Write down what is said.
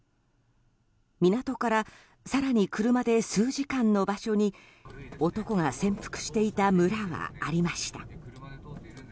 港から、更に車で数時間の場所に男が潜伏していた村がありました。